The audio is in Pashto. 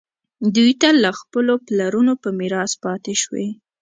دوی ته له خپلو پلرونو په میراث پاتې شوي.